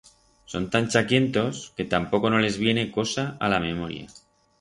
Son tan chaquientos que tampoco no les viene cosa a la memoria.